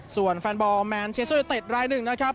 ส่วนแฟนบอลแมนเชเซอร์เท็ดและลิฟภูเต็ดลัย๑นะครับ